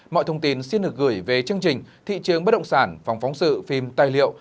mọi thông tin xin được gửi về chương trình thị trường bất động sản phòng phóng sự phim tài liệu